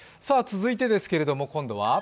続いてですけれども、今度は？